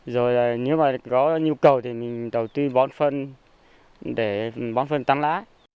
rồi nếu mà có nhu cầu thì mình đầu tư bón phân để bón phân tăng lá